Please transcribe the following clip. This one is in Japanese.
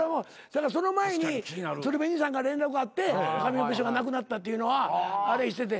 その前に鶴瓶兄さんから連絡あって上岡師匠が亡くなったっていうのはあれしてて。